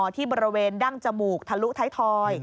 ที่บริเวณดั้งจมูกทะลุท้ายทอย